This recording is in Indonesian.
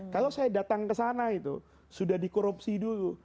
kalau saya datang ke sana itu sudah dikorupsi dulu